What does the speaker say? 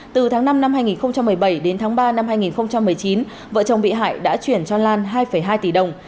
từ tháng năm năm hai nghìn một mươi bảy đến tháng ba năm hai nghìn một mươi chín vợ chồng bị hại đã chuyển cho lan hai hai tỷ đồng